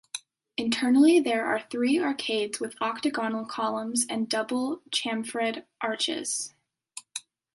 Internally there are three arcades with octagonal columns and double-chamfered arches.